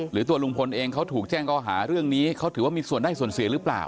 หรือตัวลุงพลเองเขาถูกแจ้งก็หาเรื่องนี้เขาถือว่ามีส่วนได้ส่วนเสียหรือเปล่า